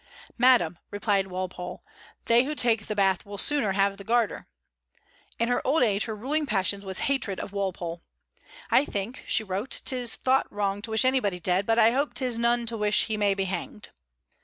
"Madam," replied Walpole, "they who take the Bath will sooner have the Garter." In her old age her ruling passion was hatred of Walpole. "I think," she wrote, "'tis thought wrong to wish anybody dead, but I hope 'tis none to wish he may be hanged."